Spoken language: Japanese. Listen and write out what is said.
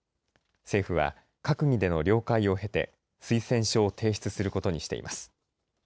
政府は閣議での了解を経て推薦書を提出することにしています。